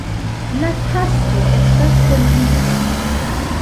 La tasko estas solvita.